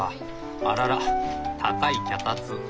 あらら高い脚立。